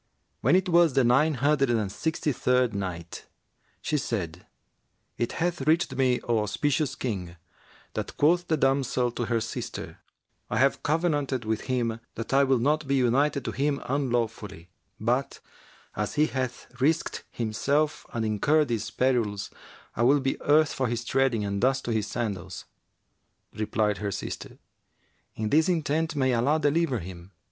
When it was the Nine Hundred and Sixty third Night, She said, It hath reached me, O auspicious King, that quoth the damsel to her sister, "I have covenanted with him that I will not be united to him unlawfully; but, as he hath risked himself and incurred these perils, I will be earth for his treading and dust to his sandals!" Replied her sister, "In this intent may Allah deliver him!"